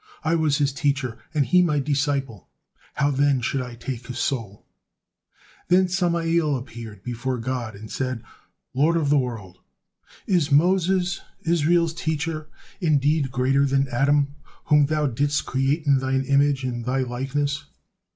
I was his teacher and he my disciple, how then should I take his soul!" Then Samael appeared before God and said: "Lord of the world! Is Moses, Israel's teacher, indeed greater than Adam whom thou didst create in Thine image and Thy likeness?